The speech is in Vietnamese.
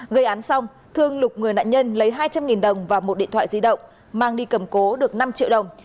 gây án xong thương lục người nạn nhân lấy hai trăm linh đồng và một điện thoại di động mang đi cầm cố được năm triệu đồng